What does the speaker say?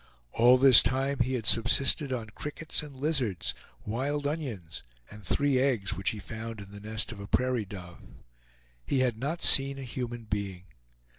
All this time he had subsisted on crickets and lizards, wild onions, and three eggs which he found in the nest of a prairie dove. He had not seen a human being.